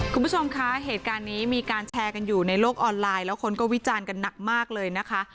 คุณผู้ชมคะเหตุการณ์นี้มีการแชร์กันอยู่ในโลกออนไลน์แล้วคนก็วิจารณ์กันหนักมากเลยนะคะ